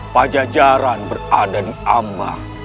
pajajaran berada di amang